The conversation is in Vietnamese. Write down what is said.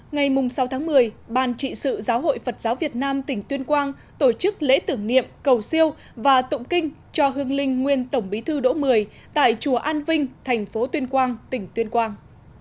ngày sáu tháng một mươi ban trị sự giáo hội phật giáo việt nam tỉnh tuyên quang tổ chức lễ tưởng niệm cầu siêu và tụng kinh cho hương linh nguyên tổng bí thư đỗ mười tại chùa an vinh thành phố tuyên quang tỉnh tuyên quang